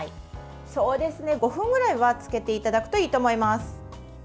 ５分ぐらいは浸けていただくといいと思います。